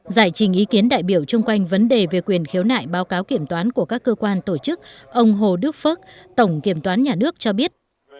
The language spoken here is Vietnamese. giải trình ý kiến đại biểu chung quanh vấn đề về quyền khiếu nại báo cáo kiểm toán của các cơ quan tổ chức ông hồ đức phước tổng kiểm toán nhà nước cho biết